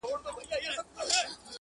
o دادا دي خداى نر کي ، چي ادې ووهي!